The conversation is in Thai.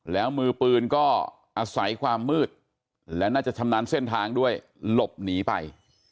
แล้วมือปืนก็อาศัยความมืดและน่าจะชำนาญเส้นทางด้วยหลบหนีไป